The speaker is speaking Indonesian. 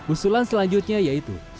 usulan selanjutnya yaitu subsidi